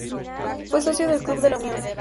Fue socio del Club de La Unión.